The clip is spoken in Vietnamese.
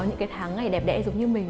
những cái tháng ngày đẹp đẽ giống như mình